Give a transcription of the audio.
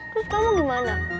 terus kamu gimana